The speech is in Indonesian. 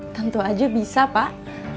tentu aja bisa pak